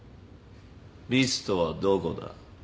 リストはどこだ？